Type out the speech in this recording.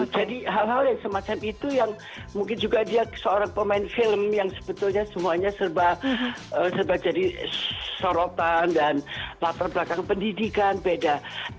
jadi hal hal yang semacam itu yang mungkin juga dia seorang pemain film yang sebetulnya semuanya serba jadi sorotan dan latar belakang pendidikan beda